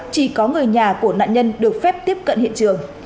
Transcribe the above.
chỉ có người nhà của nạn nhân được phép tiếp cận hiện trường